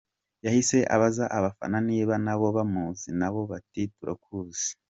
Yahise abaza abafana niba nabo bamuzi, nabo bati “Turamuzi”.